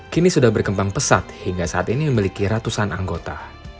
kini sudah berkembang pesat hingga saat ini memiliki ratusan anggota